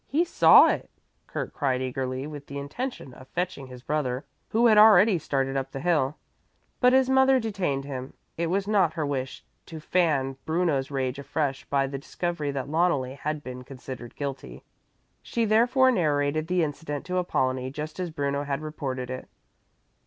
He saw it," Kurt cried eagerly with the intention of fetching his brother, who had already started up the hill. But his mother detained him. It was not her wish to fan Bruno's rage afresh by the discovery that Loneli had been considered guilty. She therefore narrated the incident to Apollonie just as Bruno had reported it.